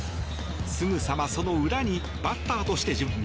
すぐさま、その裏にバッターとして準備。